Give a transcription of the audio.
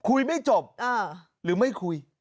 ไม่จบหรือไม่คุย